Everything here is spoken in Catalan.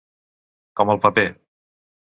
Com el paper.